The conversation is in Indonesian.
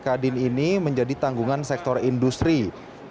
kegiatan ini diakses oleh kepala pemerintah dan kepala pemerintah kesehatan